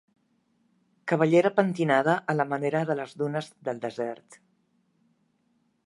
Cabellera pentinada a la manera de les dunes del desert.